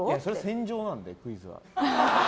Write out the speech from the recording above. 戦場なので、クイズは。